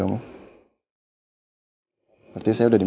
mas ini dia